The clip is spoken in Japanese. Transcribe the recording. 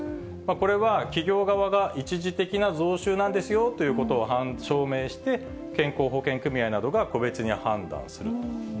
これは企業側が一時的な増収なんですよということを証明して、健康保険組合などが個別に判断すると。